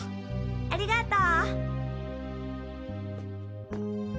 ありがとう。